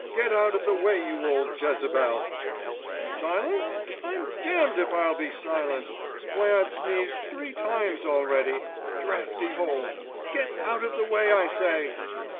"Get out of the way, you old Jezebel! Silence? I'm damned if I'll be silent. Why I've sneezed three times already. Draughty hole! Get out of the way I say."